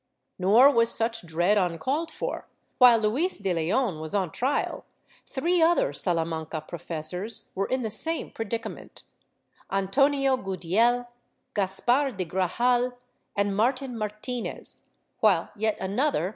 Nor was such dread uncalled for; while Luis de Leon was on trial, three other Salamanca professors were in the same predicament — Antonio Gudiel, Caspar de Grajal and Martin Martinez, while yet another.